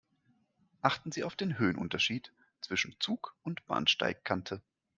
Achten Sie auf den Höhenunterschied zwischen Zug und Bahnsteigkante.